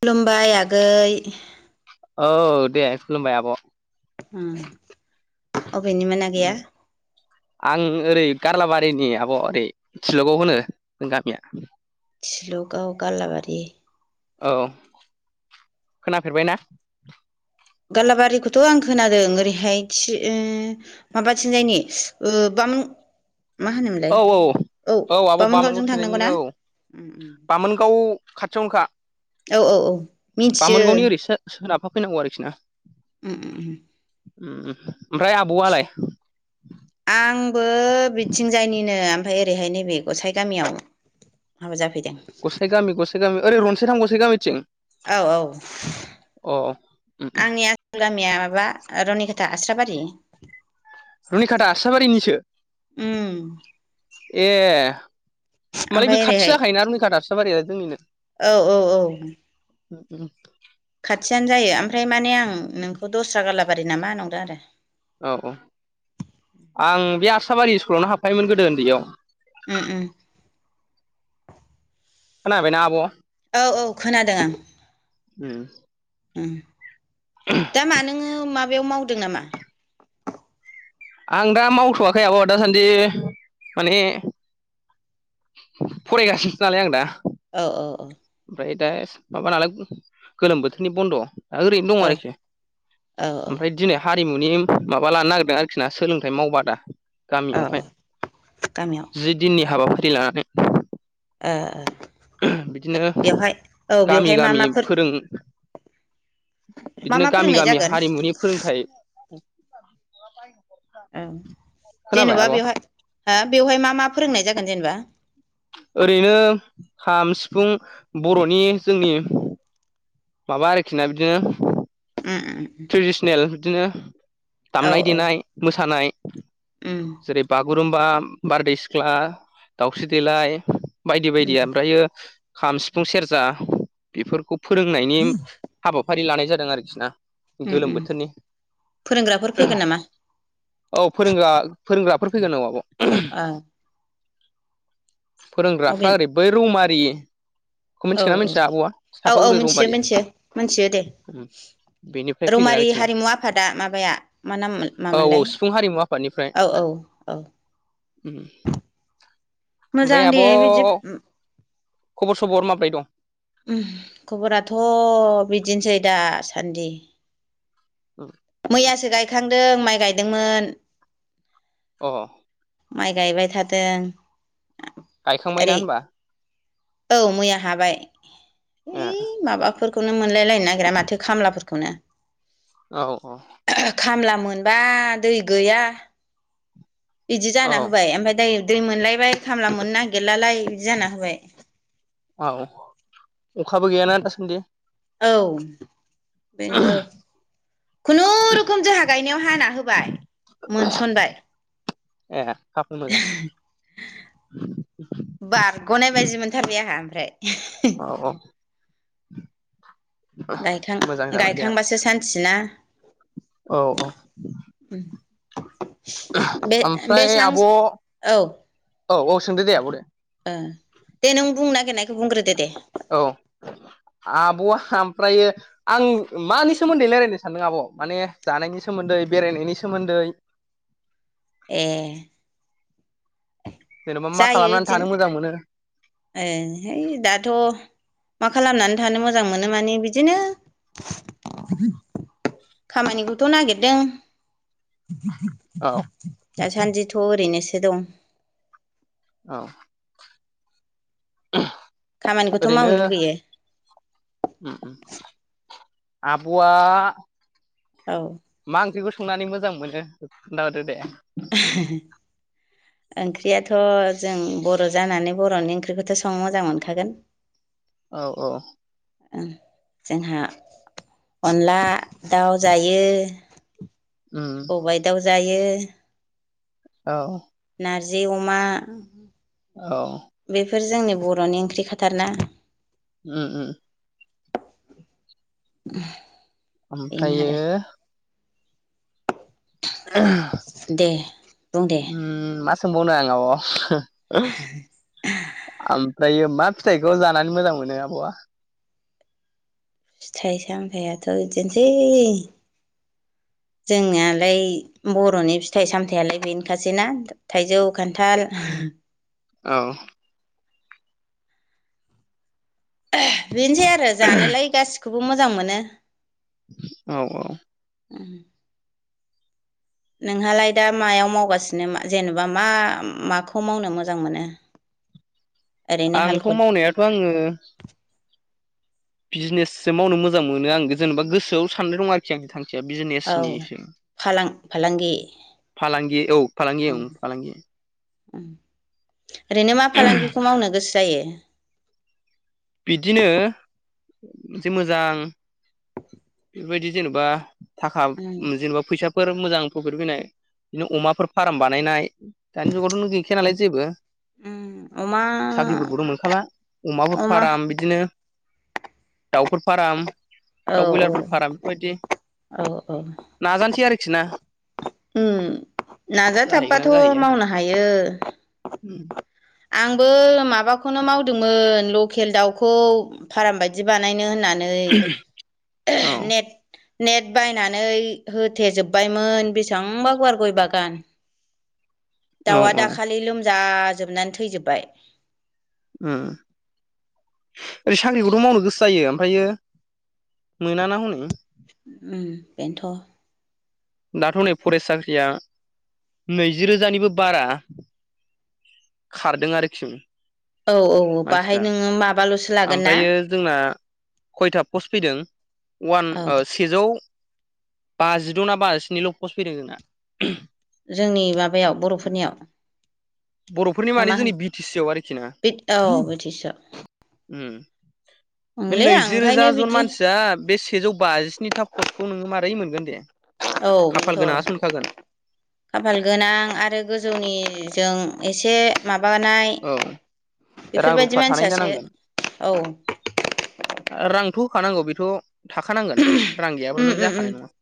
खुलुमबाय आगै औ दे खुलुमबाय आब। ओम अबेनि मोना गैया। आं ओरै गारलाबारिनि आब ओरै थिलगाव होनो जों गामिया। लगाव गालाबारि औ खोनाफेरबाय ना? गालाबारिखौथ' आं खोनादों ओरैहाय थि माबाथिं जनि बामोन मा औ होनोमोनलाय औ औ आब' बामोनगाव बामोनगावजों थांनांगौ थिंजायनिनो ना? औ बामोनगाव खाथियावनोखा औ औ औ मिथियो बामोनगावनि ओरैसो सोर लााबफा फैनांगौ आरोखि ना? उम उम। ओमफ्राय आब'आलाय? आंबो बिथिंजायनिनो। ओमफफ्राय ओरैहाय नैबे गसाइ गामियाव हाबा जाफैदों। गसे गामि गससे गामि ओरैनसे थ गसे गामिथिं औ औ अ उम उम। आंनिया जों गामिया माबा रनिकाटा आस्राबारि रनिकाटा आस्राबारिनिसो उम ए। होमबालाय बे ओमफ्राय खाथि ओरैहाय जाखायोना रनिकाटा आस्राबारिया जोंनिनो औ औ औ ओम खाथियानो जायो ओमफ्राय माने आं नोंखौ दस्रा गालाबारि नामा नंदों आरो। औ औ आं बे आससाबारि स्कुलावनो हाबफायोमोन गोदो उन्दैयाव ओम ओम खोनाबायना आब' औ औ खोनादों आं ओम ओम [unintelligible] दा मा नोङो माबायाव मावदों नामा आं दा मावथ'वाखै आब' दासान्दि माने फरायगासिनो नालाय आं दा। औ औ औ। ओमफ्राय दा माबा नालाय गोलोम बोथोरनि बन्द'। दा ओरैनो दं औ आरोखि औ ओमफ्राय दिनो। हारिमुनि माबा लानो नागिरदों आरोखि ना सोलोंथाइ मावबादा औ गामियावहाय औ गामियाव जि दिननि हाबाफारि लानानै बिदिनो बेवहाय औ बेवहाय मा माफोर जों मा बिदिनो मा गामि फोरोंनाय गामि जागोन हारिमुनि फोरोंथाइ औ खोनाबाय जेनेबा आब' बेवहाय हो बेवहाय मा मा फोरोंनाय जागोन जेनेबा ओरैनो खाम सिफुं बर'नि जोंनि माबा आरोखि ना बिदिनो ओम ओम ट्रेडिसनेल बिदिनो दामनाय देनाय मोसानाय ओम जेरै बागुरुम्बा बारदै सिख्ला दाउस्रि देलाय। बायदि बायदि उम ओमफ्रायो खाम सिफुं सेरजा बेफोरखौ फोरोंनायनि हाबाफारि लानाय जादों आरोखि ना उम गोलोम उम बोथोरनि फोरोंग्राफोर फैगोन नामा औ फोरोंग्रा फोरोंग्राफोर फैगोन औ आब'। आ। अबे फोरोंग्राफ्रा ओरै बै रौमारि औ औ औ औ सापागुरि मिथियो रौमारिया मिथियो मोनथियो दे। उम बेनिफ्राय फैगोन रमारि आरोखि ना हारिमु आफादा माबाया मा नाम औ औ मामोनलाय सिफुं हारिमु आफादनिफ्राय औ औ। औ मोजां ओमफ्राय आब' दे बिदि खबर सबर माब्रै दं खबराथ' बिदिनोसै दासान्दि ओं मैयासो गायखांदों माइ गायदोंमोन अ। माइ गायबाय थादों गायखांबाय ना ओरै होमबा औ मैया हाबाय ए ओइ माबाफोर फोरखौनो मोनलायलायनो नागिरा माथो खामलाफोरखौनो औ औ खामला मोनबा दै गैया। बिदि औ जाना होबाय आमफाय दायो दै मोनलायबाय खामला मोननो नागिरलालाय बिदि जाना होबाय। औ अखाबो गैयाना दासान्दि। औ बेनो। खुनुरुखुम जोंहा गायनायाव हाना होबाय मोनसनबाय। ए खाफाल मोजां। बारग'नाय बायदि मोनथारबाय आंहा आमफ्राय औ औ। मोजां जाबाय दे आब' गायखां-गायखांबासो सान्थिना? औ औ। बे आमफ्राय बेसां आब' औ औ सोंदो दे आब' दे। ओ दे नों बुंनो नागिरनायखौ बुंग्रोदो दे। औ आब'आ आमफ्रायो। आं मानि सोमोन्दै रायलायनो सानदों आब' माने जानायनि सोमोन्दै बेरायनायनि सोमोन्दै। ए। जेनेबा मा जायो खालामनानै दिन थानो मोजां मोनो? ए है दाथ'। मा खालामनानै थानो मोजां मोनो माने बिदिनो। खामानिखौथ' नागितदों औ दासान्दिथ' ओरैनोसो दं। औ। खामानिखौथ' मावनो ओरैनो। लुगैयो आब'आ। औ। मा ओंख्रिखौ संनानै मोजां मोनो खोन्थाहरादो दे? होहो ओंख्रियाथ' जों बर' जानानै बर'नि ओंख्रिखौथ' संनो मोजां मोनखागोन। औ औ। ओ जोंहा। अनला दाउ जायो [unintelligible] सबाइ दाउ जायो। औ। नारजि अमा। औ। बेफोर जोंनि बर'नि ओंख्रि खाथार ना? ओ ओ। [unintelligible] बेनो आरो ओमफ्रायो। [unintelligible] दे बुं दे उम मा सोंबावनो आं आब'? [unintelligible] आमफ्रायो मा फिथाइखौ जानानै मोजां मोनो आब'आ? फिथाइ सामथाइयाथ' इदिनोसै। जोंनियालाय बर'नि फिथाइ सामथायाइलाय बेनोखासैना। थाइजौ खान्थाल। औ। [unintelligible] बेनोसै आरो जानोलाय गासिखौबो मोजां मोनो। औ औ। नोंहालाय दा मायाव मावगासिनो जेनेबा मा माखौ मावनो मोजां मोनो? [inaudible] आंथ' हालखद मावनायाथ' आङो। बिजिनेससो मावनो मोजां मोनो आं जेनेबा गोसोआव साननाय दं आरोखि आं थां खिया औ बिजिनेसनिसो फालां फालांगि फालांगि औ फालांगि औ फालांगि ओम ओरैनो मा फालांगिखौ मावनो गोसो जायो बिदिनो मोनसे मोजां बेबायदि जेनेबा थाखा उम जेनेबा फैसा फोर मोजां प्रफिट फैनाय बिदिनो अमाफोर फार्म बानायनाय दानि जुगावथ' गैखाया नालाय जेबो उम अमा साख्रिफोरखौथ' मोनखाला अमा बिदिनो दाउफोर फाराम औ दाउ बयलारफोर फाराम बेफोरबायदि औ औ नाजानोसै आरोखि ना ओम जाहैगोन नाजाथाबबाथ' ना जाहैया मावनो हायो। उम आंबो माबाखौनो मावदोंमोन लकेल दाउखौ फार्म बायदि बानायनो होनना नै औ [unintelligible] नेट नेट बायनानै होथेजोबबायमोन बेसेबांबा गुवार गय बागान औ दाउआ औ दाखालि लोमजाजोबनानै थैजोबबाय ओम ओइ साख्रिखौथ' मावनो गोसो जायो ओमफायो मोना ना हनै ओम बेन्थ' दाथ' नै फरेस्ट साख्रिया नैजि रोजानिबो बारा। खारदों आरोखि औ औ बाहाय मानसिफ्रा नोङो माबाल'सो लागोन ना ओमफ्रायो जोंना खयथा पस्ट फैदों अवान औ ओ सि सेजौ बाजिद' ना बाजिनिल' पस्ट फैदों जोंना। जोंनि माबायाव बर'फोरनियाव बर'फोरनि ना मानि मा होन जोंनि बि टि सि आव आरोखि ना बि औ बिटिसिआव ओम बे ओंलै आं नैजि रोजा ओंखायनो जन बिदि मानसिया बे सेजौ बाजिस्निथा पस्टखौ नोङो मारै मोनगोन दे। औ खाफाल बेनथ' गोनाङासो मोनखागोन खाफाल गोनां आरो गोजौनिजों एसे माबानाय औ रां रुफा बेफोरबायदि थानाय मानसियासो जानांगोन औ रांथ' होखानांगौ बेथ' थाखानांगोन रां गैयाबाथ' नों उम उम जाखानाय नङा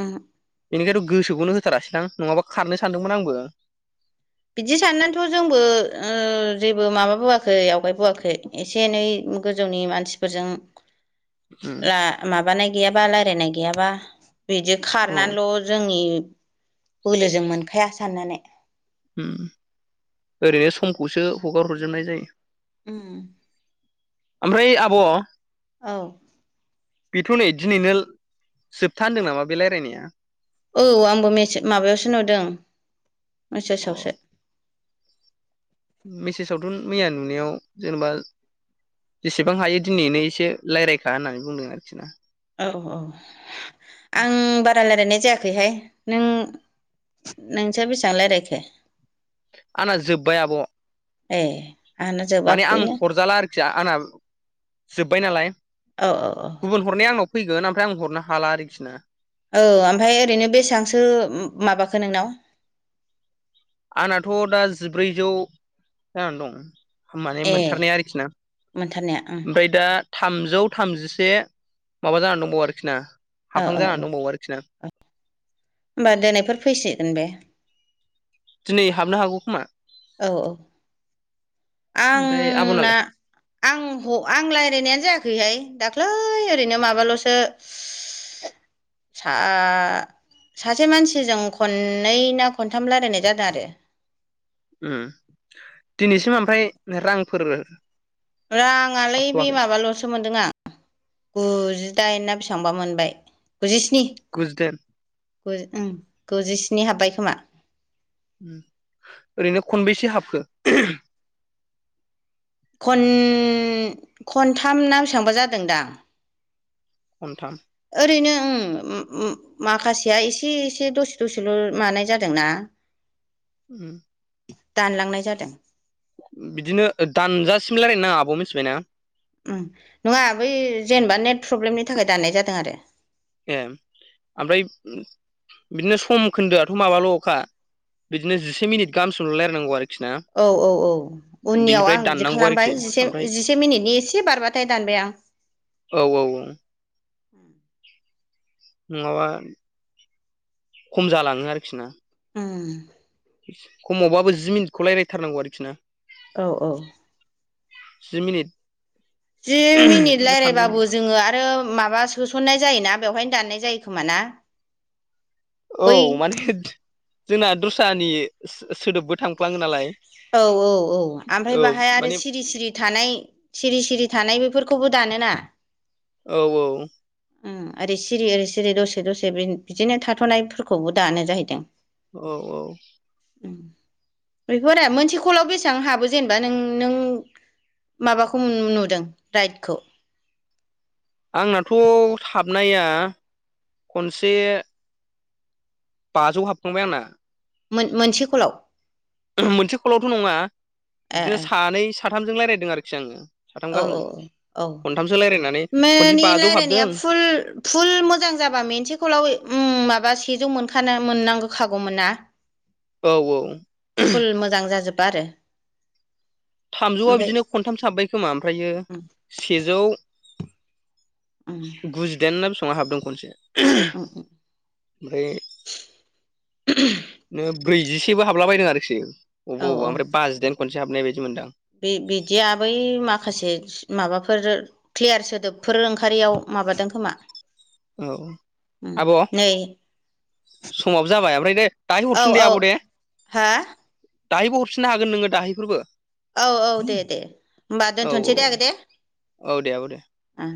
उम बेनिखायथ' गोसोखौनो होथारासै दां नङाबा खारनो सानदोंमोन आंबो बिदि साननानैथ' जोंबो ओ जेबो माबाबोआखै आवगायबोआखै एसे एनै गोजौनि मानसिफोरजों ला माबानाय गैयाबा रायलायनाय गैयाबा बिदि औ खारनानैल' रोङनि बोलोजों मोनखाया साननानै। [unintelligible] ओरैनो समखौसो हगार हरजोबनाय जायो। उओम। ओमफ्राय आब' औ। बेथ' नै दिनैनो जोबथा होनदों नामा बे रायज्लायनाया? औ आंबो मसे माबायावसो नुदों अ मेसेजआवसो। मेसेजावथ' मैया नुनायाव जेनेबा जेसेबां हायो दिनैनो एसे रायज्लायखा होननानै बुंदों आरोखि ना। औ औ आं बारा रायजलायनाय जायाखै जाखैहाय नों नोंसोर बेसेबां रायज्लायखो? आंना जोब्बाय आब'। ए आंहानो माने आं जोबाखैनो हरजाला आरोखि आंना जोब्बाय नालाय, औ औ औ गुबुन हरनाय आनाव फैगोन ओमफ्राय आं हरनो हाला आरोखि ना। औ ओमफ्राय ओरैनो बेसेबांसो माबाखो नोंनाव? आंनाथ' दा जिब्रैजौ जानानै दं। माने ए मोनथारनाया आरोखि ना मोनथारनाया ओं ओमफ्राय दा थामजौ थामजिसे माबा जानानै दंबावो आरोखि ना। औ हाबहां औ औ जानानै दंबावो आरोखि ना होनोमबा दिनैफोर फैसिगोन बे। दिनै हाबनो हागौ खोमा। औ औ ओमफ्राय आंना आब'नालाय आं आं रायज्लायनायानो जायाखैहाय दाख्लै ओरैनो माबाल'सो [inaudible] सासे मानसिजों खननै ना खनथाम रायलायनाय जादों आरो। दिनैसिम ओमफ्राय रांफोर राङालै बे हाबथ'वाखै माबाल'सो मोनदों आं। गुजिदाइन ना बेसेबांबा मोनबाय गुजिस्नि गुजिदायन गुजिस्नि हाब्बाय खोमा। ओरैनो खनबैसे हाबखो? ख खनथाम ना बेसेबांबा जादों दां। खनथाम। ओरैनो ओ माखासेया एसे एसे दसे दसेल' मानाय जादों ना। [unintelligible] दानलांनाय जादों। बिदिनो दानजासिमलार ना आब' मिथिबायना। नङा बै जेनेबा नेट प्रब्लेमनि थाखाय दाननाय जादों आरो। ए आफ्राय बिदिनो सम खोन्दोआथ' माबाल' अखा बिदिनो जिसे मिनिट गाहामसल' रायनांगौ आरोखि ना। औ औ औ उननियाव बिनिफ्राय आं बिदि दाननांगौ आरोखि खालामबाय जिसे ओमफ्राय जिसे मिनिटनि एसे बारबाथाय दानबाय आं। औ औ औ। नङाबा खम जालाङो आरोखि ना। [unintelligible] खमावबाबो जि मिनिटखौ रायज्लायथारनांगौ आरोखि ना। औ औ। जिमिनिट जि मिनिट रायलायबाबो जोङो आरो माबा होसननाय जायोना बेवहायनो दाननाय जायो खोमा ना? औ बै माने जोंना दस्रानि सोदोबबो थांफ्लाङो नालाय। औ औ औ ओमफ्राय औ बाहाय आरो माने सिरि सिरि थानाय सिरि सिरि थानाय बेफोरखौबो दानोना औ औ ओरै सिरि ओरै सिरि दसे दसे बिदिनो थाथ'नायफोरखौबो दानो जाहैदों। औ औ बेफोर मोनसे कलाव बेसेबां हाबो जेनेबा नों नों। माबाखौ नुदों राइडखौ। आंनाथ' हाबनाया खनसे। बाजौ हाबफांबाय आंना। मोनसे कलाव मोनसे कलावथ' नङा ए बिदिनो ए सानै साथामजों रायज्लायदों आरोखि आंजों। औ औ औ औ रायलायनानै खनसे मानि बाजौ रायजलायनाया हाबदों फुल फुल मोजां जाबा मोनसेखौलाव माबा सेजौ मोनखान मोननांगौखागौमोन ना। औ औ। फुल मोजां जाजोबा आरो। थामजौआ ओमफ्राय बिदिनो खन्थामसो हाबबाय खोमा ओमफ्रायो उम सेजौ उम। गुजिदाइन ना बेसेबां हाबदों खनसे, उम उम ओमफ्राय नो ब्रैजिसेबो हाबला बायदों आरोखि औ औ अबावबा-अबावबा ओमफ्राय बाजिदाइन खनसे हाबनाय बायदि मोनदों आं। बे बिदिया बै माखासे माबाफोर क्लियार सोदोबफोर ओंखारारियाव माबादों खोमा। औ। उम आब' नै समाबो जाबाय ओमफ्राय दे दाहाय औ हरफिन दे औ आब' दे। हा दाहायबो हरफिननो हागोन नोङो दाहायफोरबो। औ औ देदे होमबा औ दोनथ'नोसै दे आगै दे औ दे आब' दे ओ।